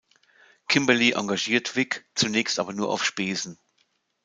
Kimberly engagiert Vic, zunächst aber nur auf Spesen.